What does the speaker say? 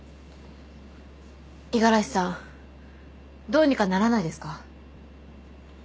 五十嵐さんどうにかならないですか？